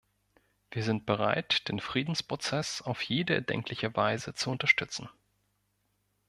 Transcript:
Wir sind bereit, den Friedensprozess auf jede erdenkliche Weise zu unterstützen.